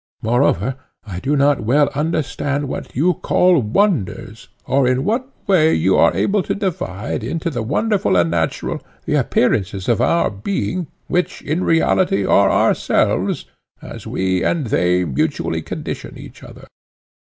Moreover, I do not well understand what you call wonders, or in what way you are able to divide, into the wonderful and natural, the appearances of our being, which, in reality, are ourselves, as we and they mutually condition each other.